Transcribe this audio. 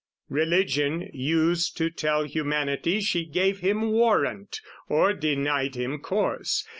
Religion used to tell Humanity She gave him warrant or denied him course.